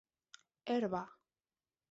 Herba!